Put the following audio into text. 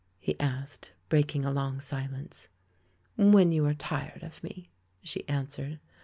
he asked, breaking a long silence. "When you are tired of me," she answered.